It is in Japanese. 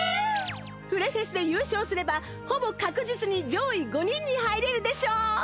フレフェスで優勝すればほぼ確実に上位５人に入れるでしょう！